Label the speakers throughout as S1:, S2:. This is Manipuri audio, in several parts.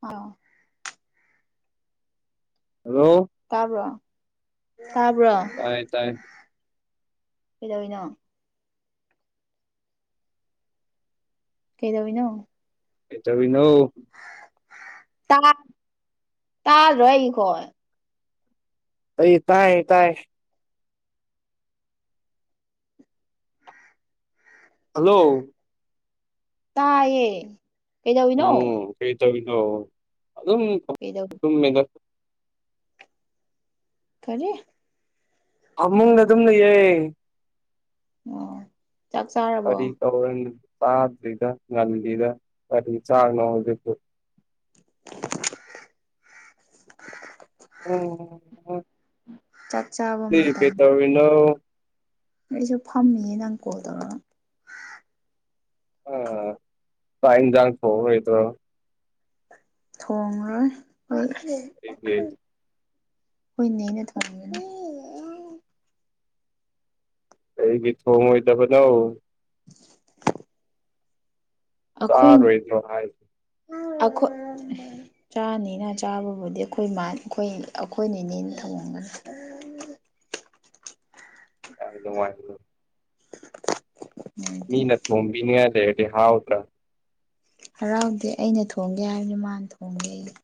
S1: ꯑ
S2: ꯍꯜꯂꯣ
S1: ꯇꯕꯔꯣ
S2: ꯑ ꯇꯥꯏ ꯇꯥꯏ
S1: ꯀꯩꯗꯧꯢꯅꯣ ꯀꯩꯗꯧꯢꯅꯣ
S2: ꯀꯩꯇꯣꯔꯤꯅꯣ
S1: ꯇꯥ ꯇꯥꯗꯔꯣ ꯑꯩ ꯢꯈꯣꯟ
S2: ꯑꯩ ꯇꯥꯏ ꯇꯥꯏꯑꯦ ꯍꯜꯂꯣ
S1: ꯇꯥꯏꯌꯦ ꯀꯩꯗꯧꯢꯅꯣ
S2: ꯗꯣ ꯑꯗꯨꯝꯃꯤꯗ
S1: ꯈꯔꯤ
S2: ꯑꯃꯃꯨꯡꯗ ꯑꯗꯨꯝꯅꯌꯦꯏ
S1: ꯑꯣ ꯆꯥꯛ ꯆꯥꯔꯕꯣ
S2: ꯐꯔꯤ ꯇꯧꯔꯟ ꯆꯗ꯭ꯗ ꯅꯜꯂꯤꯗ ꯀꯔꯤ ꯆꯥꯔꯅꯣꯗꯕꯨ
S1: ꯆꯥꯛ ꯆꯥꯕ
S2: ꯊ ꯀꯩ
S1: ꯃꯇꯝ
S2: ꯇꯅꯣ
S1: ꯑꯩꯁꯨ ꯐꯝꯃꯤꯌꯦ ꯅꯪ ꯀꯣꯜ ꯇꯧꯔꯒ
S2: ꯑ ꯇꯥꯏꯟꯖ ꯐꯣꯏꯗ
S1: ꯊꯣꯡꯉꯔꯣꯏ
S2: ꯀꯩꯒꯤ
S1: ꯍꯣꯏ ꯅꯅꯦ ꯊ
S2: ꯀꯩꯒꯤ ꯊꯣꯛꯑꯣꯏꯗꯕꯅꯣ ꯥꯆꯥꯔꯣꯏꯗꯔꯣ ꯍꯥꯏ
S1: ꯑꯈꯣꯏ ꯆꯥꯅꯤꯅ ꯆꯥꯕꯕꯨꯗꯤ ꯑꯩꯈꯣꯏ ꯑꯩꯈꯣꯏ ꯑꯩꯈꯣꯏꯅꯤꯅꯦꯅ ꯊꯑꯣꯒꯅꯤ [unintelligible]
S2: ꯌꯥꯝ ꯅꯨꯉꯥꯏꯗꯨ ꯋꯥ
S1: [inaudible]
S2: ꯃꯤ ꯅ ꯃꯣꯕꯤ ꯅ ꯌꯥꯗꯦ ꯍꯥꯎ ꯎ ꯇ꯭ꯔ
S1: ꯍꯔꯥꯎꯗꯦ ꯑꯩꯅ ꯊꯣꯡꯒꯦ ꯍꯥꯏꯕꯅꯤ ꯃꯥꯅ ꯊꯣꯡꯒꯦ ꯑꯩꯁ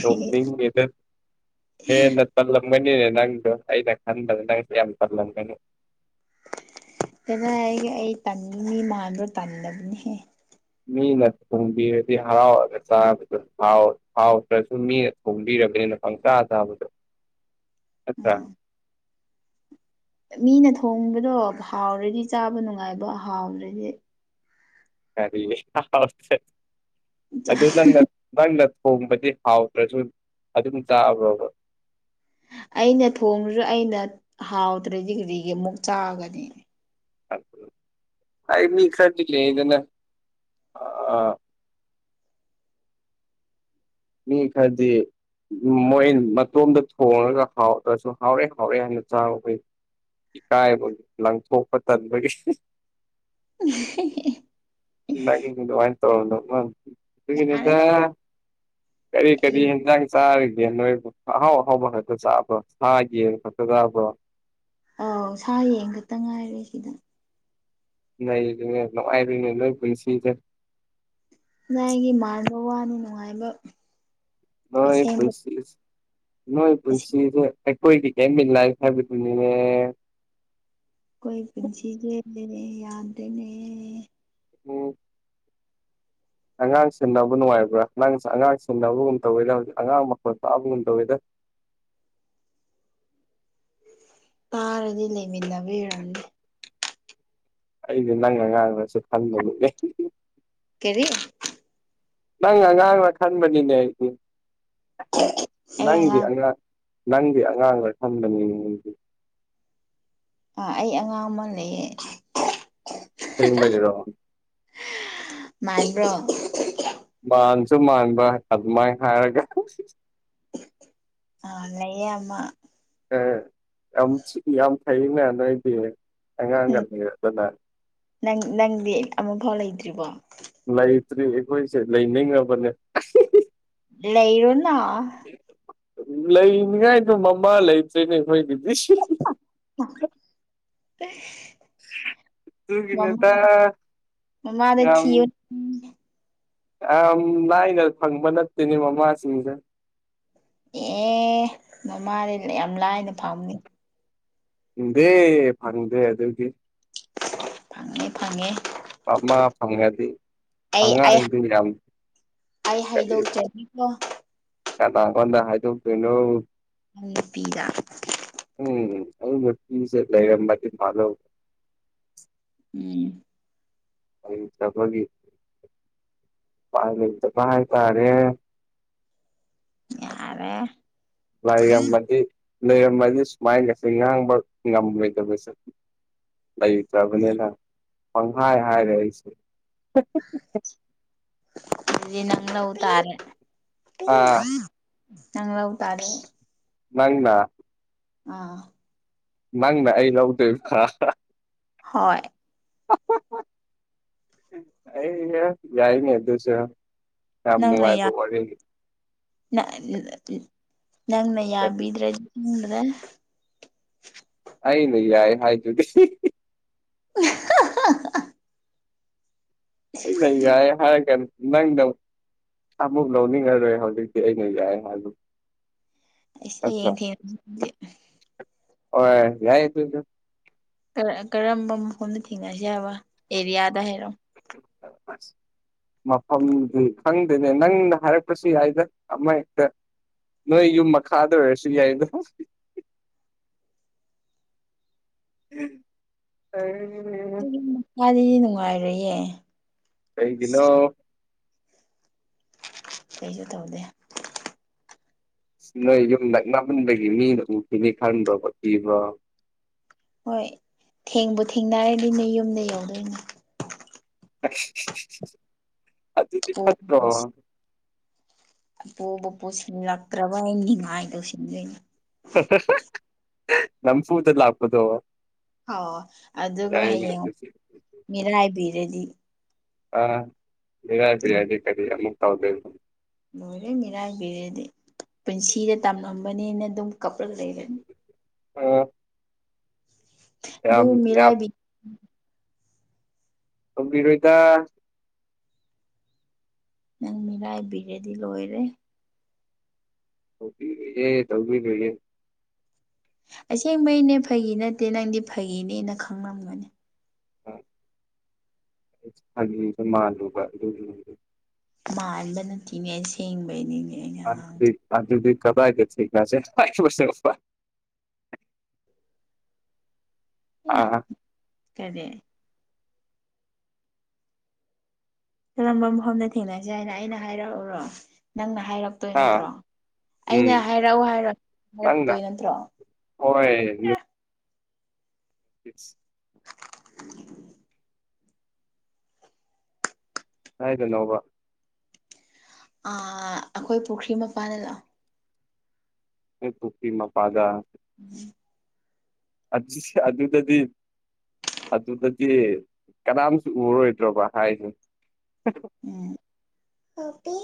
S2: ꯅꯣꯛꯅꯤꯡꯉꯦꯗ
S1: ꯍ
S2: ꯃꯅꯤꯅꯦ ꯅꯪ ꯑꯩꯗ ꯈꯟ ꯑꯗꯨ ꯅꯪꯁꯤ ꯌꯥꯝ ꯄꯔꯂꯒꯅꯤ
S1: ꯉꯥꯏ ꯑꯩ ꯇꯟꯅꯤꯡꯉꯤ ꯃꯥꯟꯕ꯭ꯔꯣ ꯇꯜꯂꯕꯅꯤꯍꯦ
S2: ꯃꯤꯅ ꯊꯣꯡꯕꯤꯔꯗꯤ ꯍꯔꯥꯎꯔꯒ ꯆꯥꯕꯗ ꯍꯥꯎꯗ꯭ꯔꯁꯨ ꯃꯤꯅ ꯊꯣꯡꯕꯤꯔꯝ ꯄꯪꯈꯥ ꯑꯥꯕꯗꯨ
S1: [unintelligible]
S2: ꯑꯆꯥ
S1: ꯎꯝ ꯃꯤꯅ ꯊꯣꯡꯕꯗꯣ ꯍꯥꯎꯔꯗꯤ ꯆꯥꯕ ꯅꯨꯡꯉꯥꯏꯕ ꯍꯥꯎꯔ꯭ꯔꯗꯤ
S2: ꯑꯔꯤ ꯑꯗꯨ ꯅꯠ ꯅꯠ ꯊꯣꯡꯕꯗꯤ ꯍꯥꯎꯗ꯭ꯔꯁꯨ ꯑꯗꯨꯝ ꯇꯥꯛꯑꯕ꯭ꯔꯣꯕ
S1: ꯑꯩꯅ ꯊꯣꯡꯉꯁꯨ ꯑꯩꯅ ꯍꯥꯎꯗ꯭ꯔꯗꯤ ꯀꯔꯤꯒꯤ ꯑꯃꯨꯛ ꯆꯥꯒꯗꯤ
S2: ꯑꯅꯤ ꯀꯇꯦ ꯏꯗꯟꯅ ꯑ ꯃꯤ ꯈꯗꯤ ꯃꯣꯏ ꯃꯇꯣꯝꯗ ꯊꯣꯡꯉꯒ ꯍꯥꯎꯗ꯭ꯔꯁꯨ ꯍꯥꯎꯔꯦ ꯍꯥꯎꯔꯦ ꯍꯥꯏꯅ ꯆꯥꯕꯈ ꯀꯥꯏ ꯂꯪꯊꯣ ꯇ ꯃ
S1: [inaudible]
S2: ꯋꯥꯏ ꯇꯔꯗꯣ
S1: ꯌꯥꯔꯦꯗ
S2: ꯎꯅꯦꯗ ꯀꯔꯤ ꯀꯔꯤ
S1: ꯑꯩ
S2: ꯍꯖꯪ ꯁꯥꯔ ꯌꯦ ꯅꯣꯏ ꯑꯍꯥꯎ ꯑꯍꯥꯎꯕ ꯈꯛꯇ ꯆꯥꯕ ꯁꯥ ꯌꯦꯟ ꯈꯛꯇ ꯆꯥꯕ
S1: ꯑꯥꯎ ꯁꯥ ꯌꯦꯡ ꯈꯛꯇ ꯉꯥꯏꯔꯦ ꯁꯤꯗ
S2: ꯅ ꯂꯅꯨꯡꯉꯥꯏꯔꯨꯅꯦ ꯂꯣꯏ ꯄꯨꯟꯁꯤꯗꯦ
S1: ꯥꯏꯒꯤ ꯃꯥꯟꯕ ꯋꯥꯅꯤ ꯅꯨꯡꯉꯥꯏꯕ
S2: ꯅꯣꯏ
S1: ꯑꯁꯦꯡꯕ
S2: ꯄꯨꯟꯁꯤ ꯅꯣꯏ ꯄꯨꯟꯁꯤ ꯀꯣꯏꯗꯤ ꯀꯃꯤ ꯂꯥꯏ ꯍꯥꯏꯥꯏꯕ ꯇꯅꯤꯅꯦ
S1: ꯂꯩ ꯌꯥꯗꯅꯦ
S2: ꯑꯣꯝ ꯑꯉꯥꯡ ꯁꯤꯟꯅꯕ ꯅꯨꯡꯉꯥꯏꯕ꯭ꯔꯥ ꯅꯪꯁꯨ ꯑꯉꯥꯡ ꯁꯤꯦꯟꯅꯕꯒꯨꯝ ꯇꯧꯋꯦꯗ ꯍꯧꯖꯤꯛ ꯑꯉꯥꯡ ꯃꯈꯣꯟ ꯄꯥꯛꯑꯕꯒꯨꯝ ꯇꯧꯋꯦꯗ
S1: [inaudible] ꯇꯥꯔꯗꯤ ꯂꯩꯃꯤꯟꯅꯕꯤꯔꯗꯦ
S2: ꯑꯩꯗꯤ ꯅꯪ ꯑꯉꯥꯡꯅꯁꯨ ꯈꯟꯕꯗꯨꯅꯦ
S1: ꯀꯔꯤ
S2: ꯅꯪ ꯑꯉꯥꯡꯅ ꯈꯟꯕꯅꯤꯅꯦ ꯑꯩꯗꯤ ꯅꯪꯗꯤ ꯑꯉꯥꯡ ꯅꯪꯗꯤ ꯑꯉꯥꯡꯗ ꯊꯝꯕꯅꯤꯉꯗꯤ
S1: ꯑ ꯑꯩ ꯑꯉꯥꯡ ꯑꯃ ꯂꯩꯌꯦ
S2: ꯁꯦꯡꯕ ꯂꯩꯔꯣ
S1: ꯃꯥꯏꯕ꯭ꯔꯣ
S2: ꯃꯥꯟꯁꯨ ꯃꯥꯟꯕ ꯑꯗꯨꯃꯥꯏꯅ ꯍꯥꯏꯔꯒ
S1: ꯌꯦꯦꯑꯃ
S2: ꯑꯦ ꯑ ꯌꯥꯝꯝ ꯊꯩꯅꯦ ꯅꯣꯏꯗꯤ ꯑꯉꯥꯡꯒ
S1: ꯎꯝ
S2: ꯂꯩꯔꯗꯅ
S1: ꯅꯪ ꯅꯪꯗꯤ ꯑꯃꯐꯥꯎ ꯂꯩꯇ꯭ꯔꯤꯕꯣ
S2: ꯂꯩꯇ꯭ꯔꯤ ꯑꯩꯈꯣꯏꯁꯦ ꯂꯩꯅꯤꯡꯉꯕꯅꯦ
S1: ꯂꯩꯔꯣꯅ
S2: ꯂꯩꯅꯤꯉꯥꯏꯗꯣ ꯃꯃꯥ ꯂꯩꯇ꯭ꯔꯔꯤꯅꯦ ꯑꯩꯈꯣꯏ ꯗꯤꯗꯤꯁ
S1: [inaudible] ꯃꯃ
S2: ꯑꯗꯨꯒꯤꯅꯦꯗ
S1: ꯃꯃꯥꯗ
S2: ꯌꯥꯝ
S1: ꯊ
S2: ꯌꯥꯝ ꯂꯥꯏꯅ ꯐꯪꯕ ꯅꯠꯇꯦꯅꯦ ꯃꯃꯥꯁꯤꯡꯁꯦ
S1: ꯑꯦ ꯃꯃꯥꯗꯤ ꯌꯥꯝ ꯂꯥꯏꯅ ꯐꯝꯅꯤ
S2: ꯗꯦ ꯐꯪꯗꯦ ꯑꯗꯨ ꯑꯗꯨꯗꯤ
S1: ꯐꯪꯉꯦ ꯐꯪꯉꯦ
S2: ꯃꯥ ꯐꯪꯉꯗꯤ
S1: ꯑꯩ ꯑꯩ
S2: ꯐꯪꯉꯥꯡꯗꯨ ꯌꯥꯝ
S1: ꯑꯩ ꯍꯥꯏꯗꯣꯛꯇꯦꯅꯤꯀꯣ
S2: ꯌꯥꯝ ꯇꯒꯣꯟꯗ ꯍꯥꯏꯗꯇꯣꯏꯅꯣ
S1: ꯑ ꯄꯤꯔ
S2: ꯑ ꯃꯁꯦ ꯂꯩ ꯑ ꯃꯥꯗꯤ ꯃꯥꯅ
S1: ꯎꯝ
S2: ꯑꯩꯗ ꯄ ꯀꯥꯏ ꯇꯔꯦ
S1: ꯑꯔꯦ
S2: ꯂꯩꯥꯏꯔꯝꯃꯗꯤ ꯂꯩꯔꯝꯃꯗꯤ ꯁꯨꯃꯥꯏꯅ ꯉꯁ ꯉꯥꯡꯕ ꯉꯝꯂꯣꯏꯗꯕꯁꯠ ꯑꯩ ꯆꯥꯕꯅꯦ ꯄꯪꯍꯥꯏ ꯍꯥꯏꯔꯦꯁ
S1: ꯑꯗꯨꯗꯤ ꯅꯪ ꯂꯧ ꯇꯥꯔꯦ
S2: ꯑꯥ
S1: ꯅꯪ ꯂꯧ ꯇꯥꯔꯦ
S2: ꯅꯪꯅꯥ
S1: ꯑꯥ
S2: ꯅꯪꯅ ꯑꯩ ꯂꯥꯎꯗ
S1: ꯍꯣꯏ
S2: ꯑꯩ ꯌꯥꯏꯅꯤ ꯑ ꯑꯗꯨꯁ
S1: ꯅꯪꯅ
S2: ꯌꯥꯝꯝꯅꯤꯅꯨꯡꯉꯥꯏꯕ
S1: ꯌꯥ
S2: ꯋꯥꯔꯤꯔ
S1: ꯅꯪꯅ ꯌꯥ ꯌꯥꯝꯕꯗ꯭ꯔ꯭ꯔ
S2: ꯑ ꯅ ꯌꯥꯏ ꯍꯥꯏ ꯆꯨꯒ
S1: [inaudible]
S2: ꯑꯩ ꯂꯩꯌ ꯍꯥꯏꯔꯛꯀꯅꯤ ꯅꯪ ꯅꯪ ꯑꯃꯨꯛ ꯂꯧꯅꯤꯡꯉꯔꯣꯏ ꯍꯧꯖꯤꯛꯇꯤ ꯑꯩꯅ ꯌꯥꯏ ꯍꯥꯏꯂ
S1: ꯑꯩꯁ ꯍꯌꯦꯡ ꯊꯦꯡ
S2: ꯑꯣ ꯌꯥꯏ ꯇꯗ
S1: ꯀꯔꯝꯕ ꯃꯐꯝꯗ ꯊꯦꯡꯅꯁꯤ ꯍꯥꯏꯕ ꯑꯦꯔꯤꯌꯥꯗ ꯍꯥꯏꯔꯣ
S2: ꯑ ꯃꯐꯝꯗꯨ ꯈꯪꯗꯦꯅꯦ ꯅꯪꯅ ꯍꯥꯏꯔꯛꯄꯁꯨ ꯌꯥꯏꯗ ꯑꯃ ꯍꯦꯛꯇ ꯅꯣꯏ ꯌꯨꯝ ꯃꯈꯥꯗ ꯑꯣꯏꯔꯁꯨ ꯌꯥꯏꯗꯣ
S1: [inaudible]
S2: [unintelligible]
S1: ꯑꯗꯨ ꯃꯥꯗꯤꯗꯤ ꯅꯨꯡꯉꯥꯏꯔꯌꯦ
S2: ꯀꯩꯒꯤꯅꯣ
S1: ꯀꯩꯁꯨ ꯇꯧꯗꯦ
S2: ꯑ ꯅꯣꯏ ꯌꯨꯝ ꯅꯛꯅꯃꯟꯕꯗꯒꯤ ꯃꯤꯅ ꯑꯃꯨꯛꯈꯤꯤꯅꯤ ꯈꯟꯗ꯭ꯔꯣꯕ ꯄꯤꯕ꯭ꯔꯣ
S1: ꯍꯣꯏ ꯊꯦꯡꯕꯨ ꯊꯦꯡꯅꯔꯗꯣꯏꯅꯦ ꯌꯨꯝꯗ ꯌꯧꯗꯣꯏꯅꯦ
S2: ꯑꯗꯨꯗꯤ ꯐꯠꯇꯀ
S1: ꯄꯣꯕ ꯄꯣꯠꯁꯤꯜꯂꯛꯇ꯭ꯔꯕ ꯑꯩ ꯅꯤꯡꯉꯥꯏ ꯇꯧꯁꯤꯟꯗꯣꯏꯅꯦ
S2: ꯅꯝ ꯐꯨꯗꯂ ꯍꯥꯥꯛꯄꯗꯣ
S1: ꯍ ꯑꯗꯨꯒ ꯍꯌꯦꯡ
S2: ꯑꯗꯨꯁꯨ
S1: ꯃꯤꯔꯥꯏꯕꯤꯔꯗꯤ
S2: ꯑ ꯔꯥ ꯌꯥꯗꯤ ꯀꯔꯤ ꯑꯃꯨꯛ ꯊꯥꯎꯗ
S1: ꯂꯣꯏꯔꯦ ꯃꯤꯔꯥꯏꯕꯤꯔꯗꯤ ꯄꯨꯟꯁꯤꯗ ꯇꯝꯂꯝꯝꯕꯅꯤꯅ ꯑꯗꯨꯝ ꯀꯞꯂꯛ ꯂꯩꯔꯅꯤ
S2: ꯑ
S1: ꯑꯗꯨ ꯃꯤꯔꯥꯏꯕꯤ
S2: ꯀꯕꯤꯔꯣꯏꯗ
S1: ꯅꯪ ꯃꯤꯔꯥꯏꯕꯤꯔꯦꯗꯤ ꯂꯣꯏꯔꯦ
S2: ꯇꯧꯕꯤꯒꯌꯦ
S1: ꯑꯁꯦꯡꯕꯩꯅꯦ ꯐꯒꯤ ꯅꯠꯇꯦ ꯅꯪꯗꯤ ꯐꯒꯤꯅꯦꯅ ꯈꯪꯂꯝꯒꯅꯤ
S2: ꯃꯥꯂꯨꯕ ꯑꯗꯨ
S1: ꯃꯥꯟꯕꯥꯟꯕ ꯅꯠꯇꯤꯅꯦ ꯁꯦꯡꯕꯩꯅꯤ
S2: ꯊꯗꯤ ꯀꯗꯥꯥꯏꯗ ꯊꯁꯦ
S1: ꯀꯔꯤ ꯀꯜꯂꯝꯕ ꯃꯐꯝꯗ ꯊꯦꯡꯅꯁꯦ ꯍꯥꯏꯅ ꯑꯩꯅ ꯍꯥꯏꯔꯛꯎꯔꯣ ꯅꯪꯅ ꯍꯥꯏꯔꯛꯇꯣꯏ
S2: ꯑꯥ
S1: ꯅꯠꯇ꯭ꯔꯣ
S2: ꯎꯝ
S1: ꯑꯩꯅ ꯍꯥꯏꯔꯛꯑꯣ ꯍꯥꯏꯔꯛꯑꯣ
S2: ꯅꯪꯅ
S1: ꯍꯥꯏꯔꯛꯇꯣꯏ ꯅꯠꯇ꯭ꯔꯣ
S2: ꯀꯤꯗꯁ
S1: [inaudible]
S2: ꯍꯥꯏꯒꯅꯣꯕ
S1: ꯑ ꯑꯩꯈꯣꯏ ꯄꯨꯈ꯭ꯔꯤ ꯃꯄꯥꯥꯟꯗ ꯂꯥꯛꯑꯣ
S2: ꯑꯦ ꯇꯣꯄꯤ ꯃꯄꯥꯗ
S1: ꯎꯝ
S2: ꯑꯁ ꯑꯗꯨꯗꯗꯤ ꯑꯗꯨꯗꯗꯤ ꯀꯅꯥꯝꯁꯨ ꯎꯔꯣꯏꯗ꯭ꯔꯣꯕ ꯍꯥꯏꯁꯦ
S1: ꯎꯝ ꯑꯄꯤ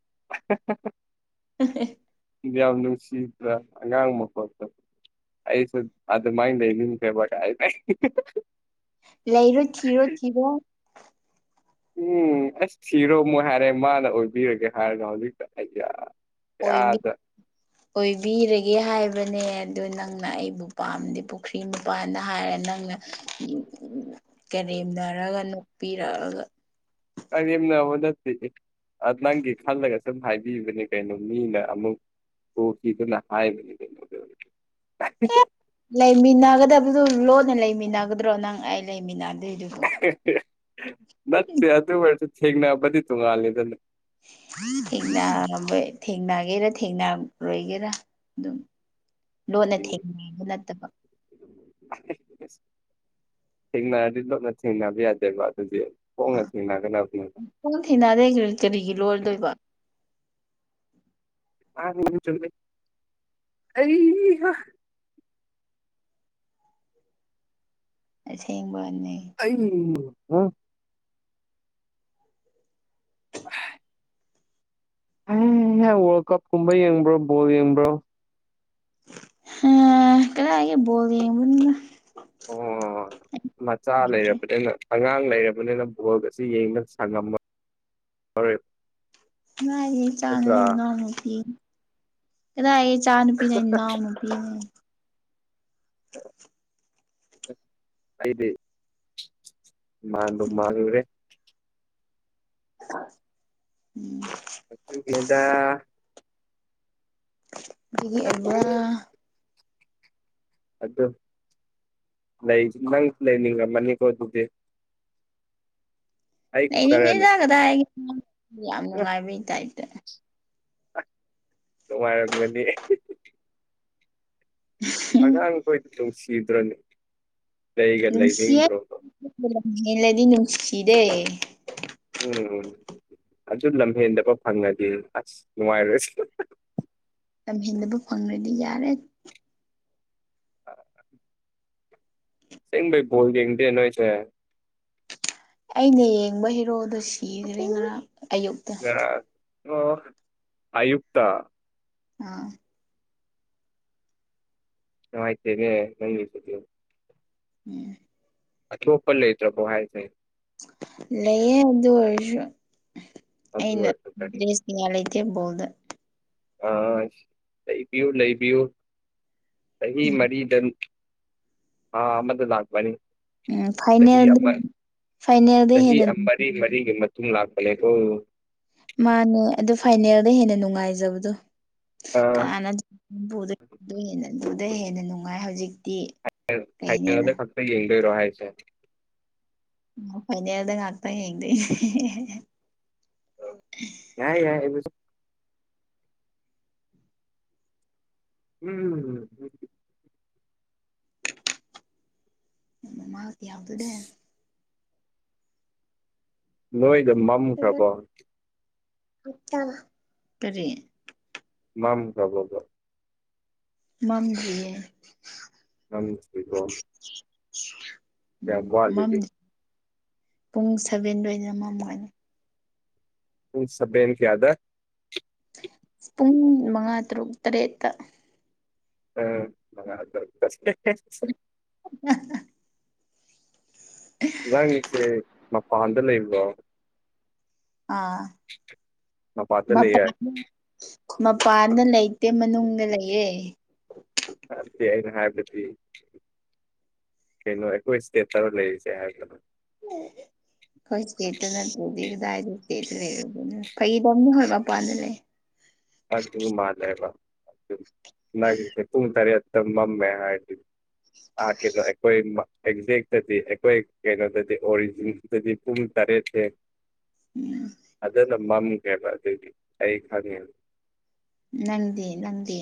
S2: [inaudible]
S1: ꯎ [inaudible]
S2: ꯌꯥꯝ ꯅꯨꯡꯁꯤꯕ꯭ꯔꯥ ꯑꯉꯥꯡ ꯃꯈꯣꯜꯗꯣ ꯑꯩꯁꯨ ꯑꯗꯨꯃꯥꯏꯅ ꯂꯩꯅꯤꯡꯈꯔ꯭ꯕꯥ
S1: ꯂꯩꯥꯔꯣ ꯊꯤꯔꯣ ꯊꯤꯔꯣ
S2: ꯎꯝ ꯑꯁ ꯊꯤꯔꯣꯑꯃꯨꯛ ꯍꯥꯏꯔꯦ ꯃꯥꯅ ꯑꯣꯏꯕꯤꯔꯒꯦ ꯍꯥꯏꯔꯒ ꯍꯧꯖꯤꯛꯇ ꯑꯩꯌꯥ ꯀꯌꯥꯗ
S1: ꯑꯣꯏꯕꯤ-ꯑꯣꯏꯕꯤꯔꯒꯦ ꯍꯥꯏ ꯍꯥꯏꯕꯅꯦ ꯑꯗꯨ ꯅꯪꯅ ꯑꯩꯕꯨ ꯄꯥꯝꯗꯤ ꯄꯨꯈ꯭ꯔꯤ ꯃꯄꯥꯥꯟꯅ ꯍꯥꯏꯔ ꯅꯪꯅ ꯀꯔꯦꯝꯅꯔꯒ ꯅꯣꯛꯄꯤꯔꯛꯑꯒ
S2: ꯀꯔꯦꯝꯅꯕꯥ ꯅꯇꯦꯍꯦ ꯅꯪꯒꯤ ꯈꯜꯂꯒ ꯁꯨꯝ ꯍꯥꯏꯕꯤꯕꯅꯦ ꯀꯩꯅꯣ ꯃꯤꯅ ꯑꯃꯨꯛ ꯎꯈꯤꯗꯨꯅ ꯍꯥꯏꯒꯅꯤ
S1: ꯑꯦ ꯂꯩꯃꯤꯟꯅꯒꯗꯕꯗꯣ ꯂꯣꯟꯅ ꯂꯩꯃꯤꯟꯅꯒꯗ꯭ꯔꯣ ꯅꯪ ꯑꯩ ꯂꯩꯃꯤꯟꯅ
S2: ꯅꯠꯇꯦ ꯑꯗꯨ ꯑꯣꯏꯔꯁꯨ ꯊꯦꯡꯅꯕꯗꯤ ꯇꯣꯡꯉꯥꯂꯤꯗꯅ
S1: ꯊꯦꯡꯅꯕ ꯊꯦꯡꯅꯒꯦꯔꯥ ꯊꯦꯡꯅꯔꯣꯏꯒꯦꯔꯥ ꯗꯨꯝ ꯂꯣꯟꯅ
S2: ꯍꯥꯏꯗꯤ
S1: ꯊꯦꯡꯅꯕ ꯅꯠꯇꯕ
S2: ꯊꯦꯡꯅꯔꯗꯤ ꯂꯣꯠꯅ ꯊꯦꯡꯅꯕ ꯌꯥꯗꯕꯥ
S1: ꯃꯥ ꯗꯨꯝ ꯊꯦꯡꯅꯗꯩꯁꯤ ꯀꯔꯤꯒꯤ ꯂꯣꯔꯗꯣꯏꯕ [inaudible]
S2: ꯃꯥꯅꯤꯅꯦ ꯆꯨꯃꯤꯅꯦ ꯑꯩꯍꯥ
S1: ꯑꯁꯦꯡꯕꯅꯦ
S2: ꯑꯩ ꯑ ꯋꯥꯔꯜ ꯀꯞ ꯀꯨꯝꯕ ꯌꯦꯡꯕ꯭ꯔꯣ ꯕꯣꯜ ꯌꯦꯡꯕ꯭ꯔꯣ
S1: ꯍꯥ ꯀꯔꯥꯏꯗꯒꯤ ꯕꯣꯜ ꯌꯦꯡꯕꯅꯣꯗ
S2: ꯑꯣ ꯃꯆꯥ
S1: ꯌꯦꯡꯗ꯭ꯔꯦ
S2: ꯂꯩꯔꯕꯗꯤꯅ ꯑꯉꯥꯡ ꯂꯩꯔꯕꯅꯤꯅ ꯕꯣꯜꯒꯁꯦ ꯌꯦꯡꯗ ꯁꯪꯉꯝꯃ- ꯔꯣꯏ
S1: ꯀꯗꯥꯏꯗꯒꯤ ꯏꯆꯥꯅꯣ ꯏꯅꯥꯎꯅꯨꯄꯤꯅꯤ ꯆꯥꯅ ꯄꯤꯅ ꯏꯅꯥꯎꯅꯨꯄꯤꯅꯦ
S2: ꯑꯩꯗꯤ ꯃꯥꯟꯕꯨ ꯃꯜꯂꯨꯔꯦ
S1: ꯎꯝ
S2: ꯑꯗꯨꯒꯤꯅꯤꯗ
S1: ꯑꯗꯨꯒꯤ ꯑꯩꯌꯥ
S2: ꯑꯗꯣ ꯂꯩ ꯅꯪ ꯂꯩꯅꯤꯡꯉꯝꯃꯅꯤꯀꯣ ꯑꯗꯨꯗꯤ ꯑꯩ ꯈꯛꯇꯔꯅꯦ
S1: ꯂꯩꯅꯤꯡꯗꯦꯗꯥ ꯀꯗꯥꯏꯒꯤ ꯌꯥꯝ
S2: ꯑ
S1: ꯅꯨꯡꯉꯥꯏꯕꯩ ꯇꯥꯏꯞꯇ
S2: ꯅꯨꯡꯉꯥꯏꯔꯝꯒꯅꯤ ꯑꯉꯥꯡ ꯑꯩꯈꯣꯏꯗꯤ ꯅꯨꯡꯁꯤꯗ꯭ꯔꯅꯦ ꯂꯩꯒ ꯂꯩꯅꯤꯡꯗ꯭ꯔꯣꯕ
S1: ꯅꯤꯜꯂꯗꯤ ꯅꯨꯡꯁꯤꯗꯦ
S2: ꯎꯝ ꯑꯗꯨ ꯂꯝꯍꯦꯟꯗꯕ ꯐꯪꯂꯗꯤ ꯑꯁ ꯅꯨꯡꯉꯥꯏꯔꯣꯏꯁꯤ
S1: ꯍꯦꯟꯗꯕ ꯐꯪꯔꯗꯤ ꯌꯥꯔꯦ
S2: ꯑ ꯁꯦꯡꯕꯩ ꯀꯣꯜ ꯌꯦꯡꯗꯦ ꯅꯣꯏꯁꯦ
S1: ꯑꯩꯅ ꯌꯦꯡꯕ ꯍꯤꯔꯣꯗꯣ ꯁꯤꯈ꯭ꯔꯦ ꯉꯔꯥꯡ ꯑꯌꯨꯛꯇ
S2: ꯉꯔꯥꯡ ꯑꯣ ꯑꯌꯨꯛꯇꯛꯇ
S1: ꯑꯥ
S2: ꯅꯨꯡꯉꯥꯏꯇꯦꯅꯦ ꯅꯪꯒꯤꯗꯨꯗꯤ
S1: ꯎꯝ
S2: ꯑꯆꯣꯄꯔ ꯂꯦꯇ꯭ꯔꯄꯣ ꯍꯥꯏ ꯊ
S1: ꯂꯩꯌꯦ ꯑꯗꯨ ꯑꯗꯨ ꯑꯣꯏꯔꯁꯨ
S2: ꯑꯗꯨ
S1: ꯑꯩꯅ
S2: ꯑꯣꯏꯔꯗꯤ
S1: ꯗ꯭ꯔꯦꯁ ꯀꯌꯥ ꯂꯩꯇꯦ ꯕꯣꯜꯗ
S2: ꯑ ꯂꯩꯕꯤꯌꯨ ꯂꯩꯕꯤꯌꯨ ꯆꯍꯤ
S1: ꯎꯝ
S2: ꯃꯔꯤꯗ ꯑꯥ ꯃꯗꯨ ꯂꯅꯥꯒꯕꯥꯅꯤ꯫꯫
S1: ꯎꯝ
S2: ꯆꯍꯤ
S1: ꯐꯥꯏꯅꯦꯜꯗ
S2: ꯑꯃ
S1: ꯐꯥꯏꯅꯦꯜꯗ
S2: ꯆꯍꯤ
S1: ꯍꯦꯟꯅ
S2: ꯑꯃꯔꯤ ꯃꯔꯤꯒꯤ ꯃꯇꯨꯡ ꯂꯥꯛ꯫ ꯑꯂꯦꯄꯣ꯫
S1: ꯃꯥꯅꯦ ꯑꯗꯨ ꯐꯥꯏꯅꯦꯜꯗ ꯍꯦꯟꯅ ꯅꯨꯡꯉꯥꯏꯖꯕꯗꯣ꯫
S2: ꯑꯥ
S1: ꯀꯅꯥꯅꯗ ꯍꯦꯟꯅ ꯅꯨꯡꯉꯥꯏ ꯍꯧꯖꯤꯛ
S2: ꯐꯥꯏꯅꯦꯜꯗ ꯈꯛꯇ ꯌꯦꯡꯗꯣꯏꯔꯣ ꯍꯥꯏꯁꯦ
S1: ꯃ ꯐꯥꯏꯅꯦꯜꯗ ꯉꯥꯛꯇ ꯌꯣꯡꯗꯣꯏꯅꯦ
S2: ꯌꯥꯏ ꯌꯥꯏ [unintelligible] ꯎꯝ
S1: ꯃ ꯃꯥꯗꯤ ꯌꯥꯎꯗꯨ ꯗꯦ
S2: ꯅꯣꯏꯗ ꯃꯝꯈ꯭ꯔꯕꯣ
S1: ꯇ ꯀꯔꯤ
S2: ꯃꯝ ꯈꯔꯕꯣꯕ
S1: ꯃꯝꯗꯔꯤꯌꯦ
S2: ꯃꯝꯗꯔꯤꯕꯣ
S1: [unintelligible]
S2: ꯀꯌꯥꯝ
S1: ꯃꯝ
S2: ꯋꯥꯠꯂꯤꯒꯦ
S1: ꯄꯨꯡ ꯁꯚꯦꯟꯗ ꯑꯣꯏꯅ ꯃꯝꯒꯅꯤ
S2: ꯄꯨꯡ ꯁꯚꯦꯟ ꯀꯌꯥꯗ
S1: ꯄꯨꯡ ꯃꯉꯥ ꯇꯔꯨꯛ ꯇꯔꯦꯠꯇ
S2: ꯎꯝ [unintelligible]
S1: [unintelligible]
S2: ꯅꯪꯒꯤꯁꯦ ꯃꯄꯥꯟꯗ ꯂꯩꯕ꯭ꯔꯣ
S1: ꯑꯥ
S2: ꯃꯄꯥꯟꯗ
S1: ꯃ ꯄ
S2: ꯂꯩꯌꯦ
S1: [unintelligible] ꯈꯨ ꯃꯄꯥꯟꯗ ꯂꯩꯇꯦ ꯃꯅꯨꯡꯗ ꯂꯩꯌꯦ
S2: ꯑꯗꯨꯗꯤ ꯑꯩꯅ ꯍꯥꯏꯕꯗꯤ ꯀꯩꯅꯣ ꯑꯩꯈꯣꯏ ꯏꯁꯇꯦꯠ ꯈꯔ ꯂꯩꯔꯤꯁꯦ ꯍꯥꯏꯕꯅ
S1: [unintelligible] ꯍꯣꯏ ꯏꯁꯇꯦꯠꯇ ꯅꯠꯇ꯭ꯔꯦꯗꯤ ꯀꯗꯥꯏꯗ ꯏꯁꯇꯦ ꯂꯩꯔꯅ ꯐꯩꯗꯝꯅꯤ ꯍꯣꯏ ꯃꯄꯥꯟꯗ ꯂꯩ [unintelligible]
S2: [unintelligible] ꯃꯥꯜꯂꯦꯕ [unintelligible] ꯅꯪ ꯄꯨꯡ ꯇꯔꯦꯠ ꯃꯝꯃꯦ ꯍꯥꯏꯔꯗꯤ ꯑꯥꯔꯀꯦꯗꯣ ꯑꯩꯈꯣꯏ ꯃ ꯑꯦꯛꯖꯦꯛꯇꯗꯤ ꯑꯩꯈꯣꯏ ꯀꯩꯅꯣꯗꯗꯤ ꯑꯣꯔꯤꯖꯤꯟꯁꯤꯗꯗꯤ ꯄꯨꯡ ꯇꯔꯦꯠꯁꯦ
S1: ꯎꯝ
S2: ꯃꯝ ꯀꯩꯕ ꯑꯗꯨꯗꯤ ꯑꯩ ꯈꯪꯉꯦꯕ
S1: ꯅꯪꯗꯤ ꯅꯪꯗꯤ